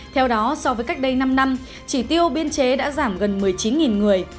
theo đó so với cách đây năm năm chỉ tiêu biên chế đã giảm gần một mươi chín người